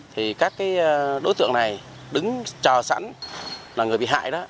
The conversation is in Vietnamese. thì các đối tượng này đứng chờ sẵn là người bị hại đó